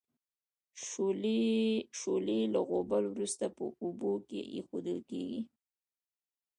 شولې له غوبل وروسته په اوبو کې اېښودل کیږي.